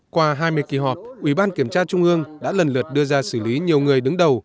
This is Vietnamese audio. qua hai mươi kỳ họp ủy ban kiểm tra trung ương đã lần lượt đưa ra xử lý nhiều người đứng đầu